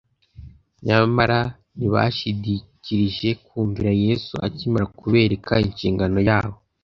Nyamara ntibashidikrije kumvira Yesu akimara kubereka inshingano yabo.